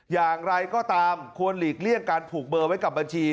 อย่างไรก็ตามควรหลีกเลี่ยงการผูกเบอร์ไว้กับบัญชี